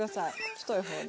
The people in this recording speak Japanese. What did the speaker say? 太い方で。